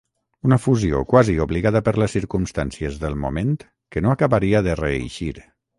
Una fusió quasi obligada per les circumstàncies del moment que no acabaria de reeixir.